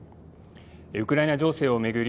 ウクライナ情勢を巡り